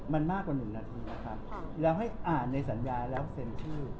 มันมากกว่า๑นาทีนะครับแล้วให้อ่านในสัญญาแล้วเซ็นชื่อ